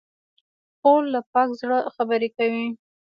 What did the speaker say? خور له پاک زړه خبرې کوي.